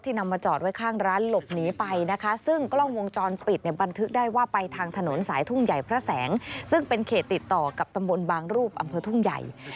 ทางถนนสายทุ่งใหญ่พระแสงซึ่งเป็นเขตติดต่อกับตำบลบางรูปอำเภอทุ่งใหญ่